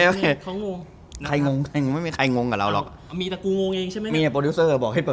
เราก็เปิดรายการสวัสดีครับพบกับ